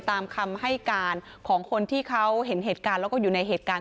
ตามคำให้การของคนที่เขาเห็นเหตุการณ์แล้วก็อยู่ในเหตุการณ์